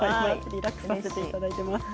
リラックスさせていただいています。